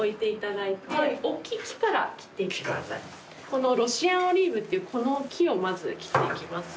このロシアンオリーブっていうこの木をまず切っていきます。